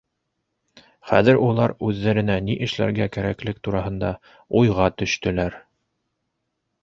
Хәҙер улар үҙҙәренә ни эшләргә кәрәклек тураһында уйға төштөләр.